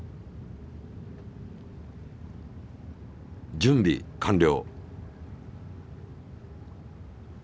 準備完了。